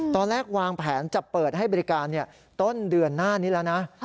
ตอนแรกวางแผนจะเปิดให้บริการต้นเดือนหน้านี้แล้วนะ